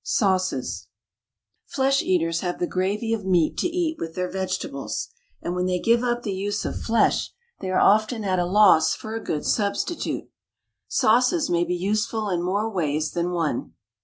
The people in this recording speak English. SAUCES Flesh eaters have the gravy of meat to eat with their vegetables, and when they give up the use of flesh they are often at a loss for a good substitute. Sauces may be useful in more ways than one.